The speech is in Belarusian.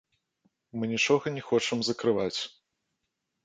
Мы нічога не хочам закрываць.